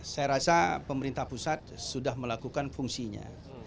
saya rasa pemerintah pusat sudah melakukan fungsinya